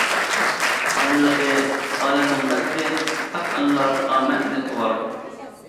ئانىلىقى ئالەمنىڭ بەختى، پاك ئانىلار ئامەتنى تۇغار.